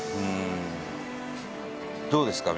どうですか？